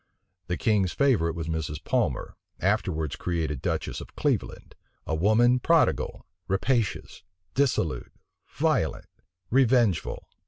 The king's favorite was Mrs. Palmer, afterwards created duchess of Cleveland; a woman prodigal, rapacious, dissolute, violent, revengeful.